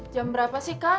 jam berapa sih kak